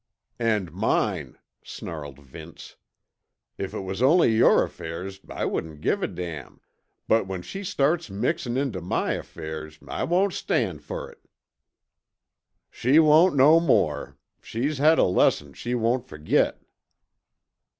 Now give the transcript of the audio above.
"And mine!" snarled Vince. "If it was only yore affairs I wouldn't give a damn, but when she starts mixin' intuh my affairs I won't stand fer it." "She won't no more. She's had a lesson she won't fergit."